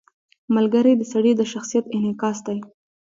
• ملګری د سړي د شخصیت انعکاس دی.